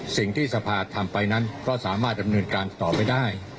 สิ่งที่สภาทำไปนั้นก็สามารถดำเนินการต่อไปได้